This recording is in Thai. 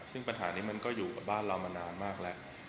ซึ่งปัญหานี้มันก็อยู่กับบ้านเรามานานมากแล้ว